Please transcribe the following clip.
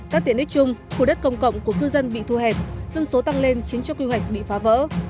các tiện ích chung khu đất công cộng của cư dân bị thu hẹp dân số tăng lên khiến cho quy hoạch bị phá vỡ